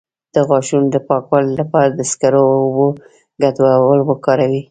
د غاښونو د پاکوالي لپاره د سکرو او اوبو ګډول وکاروئ